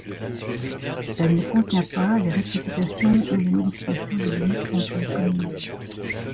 Elle ne contient pas les rectifications ou les modifications des limites entre les communes.